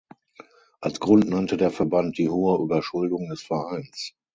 Als Grund nannte der Verband die hohe Überschuldung des Vereins.